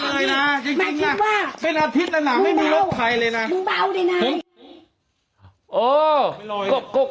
มึงเบาเลยนะ